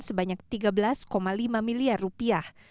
sebanyak tiga belas lima miliar rupiah